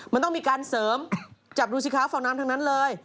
มันต้องมีการเสริมจับดูสิคะฟองน้ำทั้งนั้นเลย